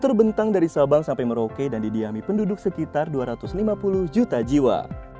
terbentang dari sabang sampai merauke dan didiami penduduk sekitar dua ratus lima puluh juta jiwa